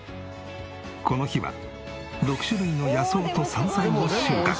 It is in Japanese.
この日は６種類の野草と山菜を収穫。